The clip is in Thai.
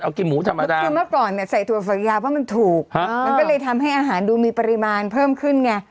เอากินหมูธรรมดาคือเมื่อก่อนเนี่ยใส่ถั่วฝักยาวเพราะมันถูกมันก็เลยทำให้อาหารดูมีปริมาณเพิ่มขึ้นไง